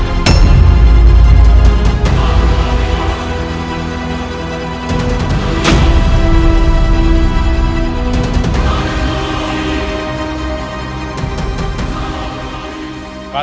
siapa yang sudah menyerah